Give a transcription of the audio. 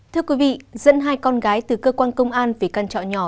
thưa quý vị dẫn hai con gái từ cơ quan công an về con trọ nhỏ